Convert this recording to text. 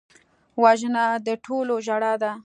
وژنه د ټولو ژړا ده